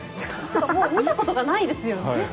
見たことがないですよね。